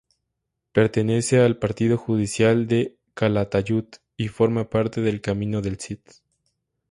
Pertenece al partido judicial de Calatayud y forma parte del Camino del Cid.